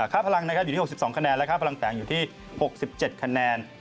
ค่าพลังนะครับอยู่ที่๖๒คะแนนและค่าพลังแสงอยู่ที่๖๗คะแนน